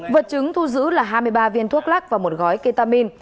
vật chứng thu giữ là hai mươi ba viên thuốc lắc và một gói ketamin